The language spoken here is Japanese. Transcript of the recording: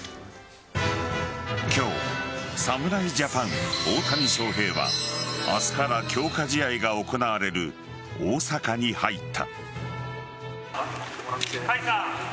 今日、侍ジャパン・大谷翔平は明日から強化試合が行われる大阪に入った。